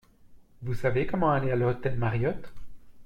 Vous savez comment aller à l’hôtel Mariott ?